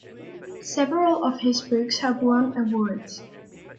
Several of his books have won awards.